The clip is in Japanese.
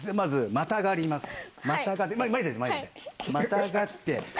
またがって。